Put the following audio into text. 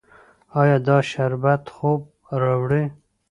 ایا دا شربت خوب راوړي؟